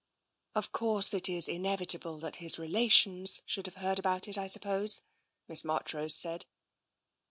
"Of course, it is inevitable that his relations should have heard about it, I suppose," Miss Marchrose said.